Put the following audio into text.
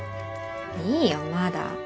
いいよまだ。